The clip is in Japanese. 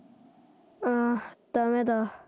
ああダメだ。